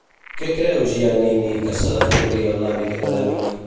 Què creu Giannini que s'ha d'afavorir en l'àmbit acadèmic?